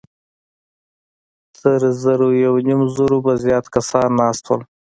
تر زر يونيم زرو به زيات کسان ناست وو.